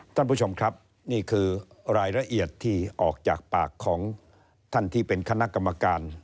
ท่านผู้ชมครับนี่คือรายละเอียดที่ออกจากปากของท่านที่เป็นคณะกรรมการ